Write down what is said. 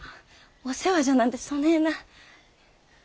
あお世話じゃなんてそねえな。